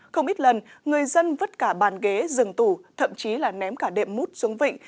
không ít lần người dân vứt cả bàn ghế rừng tủ thậm chí là ném cả đệm mút xuống vịnh